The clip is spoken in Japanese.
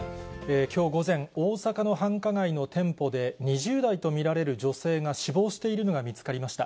きょう午前、大阪の繁華街の店舗で、２０代と見られる女性が死亡しているのが見つかりました。